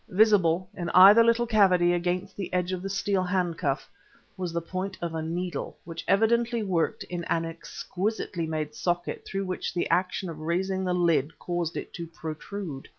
Visible, in either little cavity against the edge of the steel handcuff, was the point of a needle, which evidently worked in an exquisitely made socket through which the action of raising the lid caused it to protrude.